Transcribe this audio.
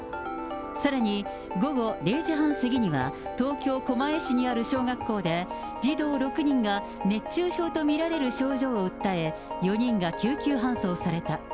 さらに午後０時半過ぎには、東京・狛江市にある小学校で、児童６人が熱中症と見られる症状を訴え、４人が救急搬送された。